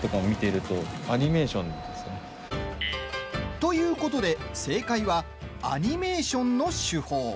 ということで正解はアニメーションの手法。